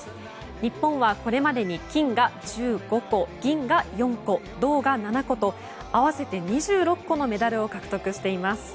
日本はこれまでに金が１５個銀が４個、銅が７個と合わせて２６個のメダルを獲得しています。